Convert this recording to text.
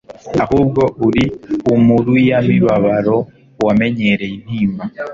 ahubwo ari umuruyamibabaro wamenyereye intimba.